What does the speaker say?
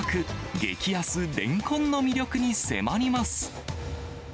激安レンコンの魅力に迫ります。